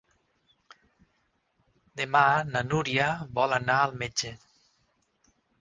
Demà na Núria vol anar al metge.